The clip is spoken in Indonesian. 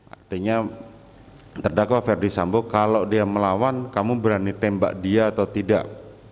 artinya terdakwa ferdi sambo kalau dia melawan kamu berani tembak dia atau tidak